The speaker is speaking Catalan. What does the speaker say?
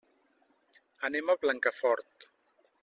Anem a Blancafort.